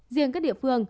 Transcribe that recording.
riêng các địa phương